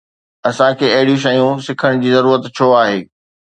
اسان کي اهڙيون شيون سکڻ جي ضرورت ڇو آهي؟